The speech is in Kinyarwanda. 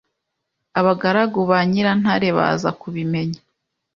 Abagaragu ba Nyirantare baza kubimenya